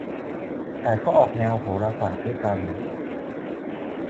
แต่ก็ออกแนวโหราศาสตร์ด้วยกัน